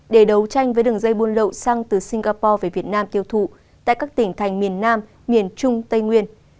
để đấu tranh với đường dây buôn lậu xăng từ singapore về việt nam tiêu thụ tại các tỉnh thành miền nam miền trung tây nguyên